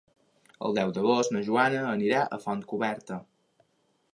El deu d'agost na Joana anirà a Fontcoberta.